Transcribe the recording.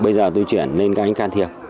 bây giờ tôi chuyển lên các anh can thiệp